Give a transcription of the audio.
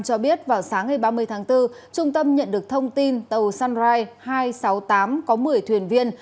cho biết vào sáng ngày ba mươi tháng bốn trung tâm nhận được thông tin tàu sunrise hai trăm sáu mươi tám có một mươi thuyền viên